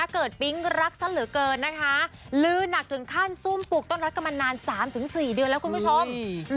เกิดขึ้นตอนไหน